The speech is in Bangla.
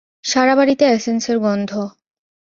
সারা বাড়িতে এসেন্সের গন্ধ!